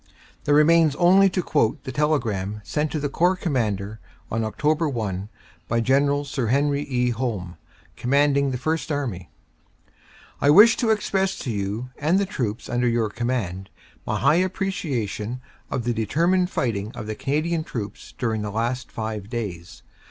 There remains only to quote the telegram sent to the Corps Commander on Oct. 1 by General Sir Henry E. Home, commanding the First Army: "I wish to express to you and the troops under your com mand my high appreciation of the determined fighting of the Canadian troops during the last five days.